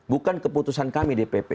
bukan keputusan kami di pp